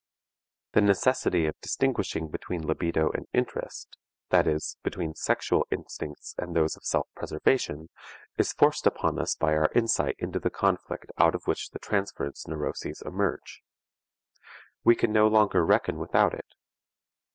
The necessity of distinguishing between libido and interest, that is, between sexual instincts and those of self preservation, is forced upon us by our insight into the conflict out of which the transference neuroses emerge. We can no longer reckon without it.